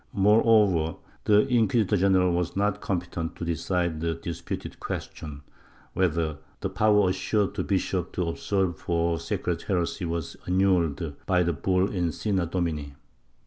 Moreover, the inquisitor general was not competent to decide the disputed question whether the power assured to bishops to absolve for secret heresy v/as annulled by the bull in Ccena Domini.